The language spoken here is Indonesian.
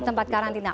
di tempat karantina